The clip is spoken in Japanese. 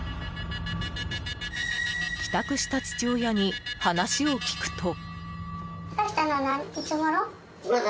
帰宅した父親に話を聞くと。